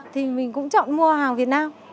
thì mình cũng chọn mua hàng việt nam